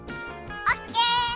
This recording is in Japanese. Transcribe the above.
オッケー！